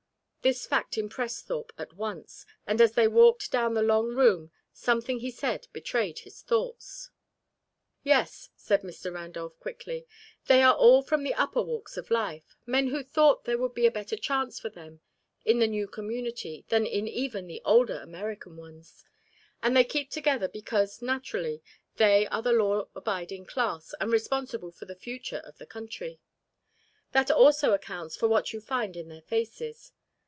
This fact impressed Thorpe at once, and as they walked down the long room something he said betrayed his thoughts. "Yes," said Mr. Randolph, quickly. "They are all from the upper walks of life men who thought there would be a better chance for them in the new community than in even the older American ones. And they keep together because, naturally, they are the law abiding class and responsible for the future of the country. That also accounts for what you find in their faces.